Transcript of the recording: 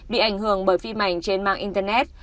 bị ảnh hưởng bởi phim ảnh trên mạng internet